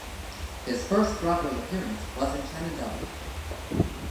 His first Broadway appearance was in "Shenandoah".